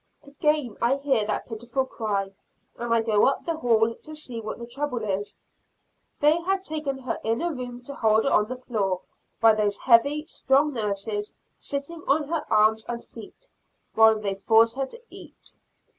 Again I hear that pitiful cry, and I go up the hall to see what the trouble is. They had taken her in a room to hold her on the floor, by those heavy, strong nurses sitting on her arms and feet, while they force her to eat.